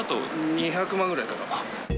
２００万ぐらいかな。